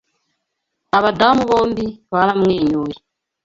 Abadamu bombi baramwenyuye.